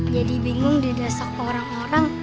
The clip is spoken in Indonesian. jadi bingung di dasar orang orang